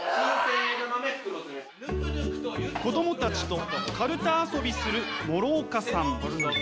子供たちとカルタ遊びする諸岡さん。